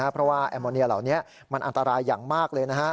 เพราะว่าแอร์โมเนียเหล่านี้มันอันตรายอย่างมากเลย